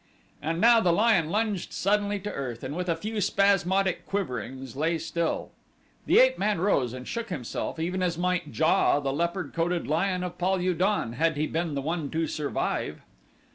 And now the lion lunged suddenly to earth and with a few spasmodic quiverings lay still. The ape man rose and shook himself, even as might JA, the leopard coated lion of Pal ul don, had he been the one to survive.